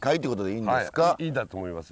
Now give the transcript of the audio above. いいんだと思います。